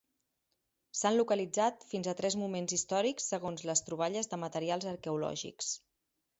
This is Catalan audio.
S'han localitzat fins a tres moments històrics segons les troballes de materials arqueològics.